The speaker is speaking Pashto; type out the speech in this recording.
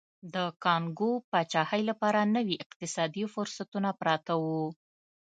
د کانګو پاچاهۍ لپاره نوي اقتصادي فرصتونه پراته وو.